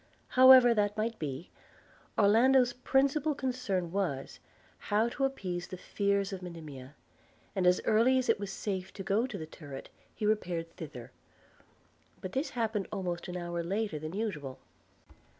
However that might be, Orlando's principal concern was, how to appease the fears of Monimia; and as early as it was safe to go to the turret, he repaired thither; but this happened almost an hour later than usual.